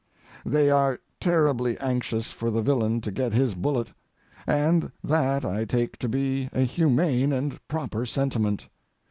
They are terribly anxious for the villain to get his bullet, and that I take to be a humane and proper sentiment.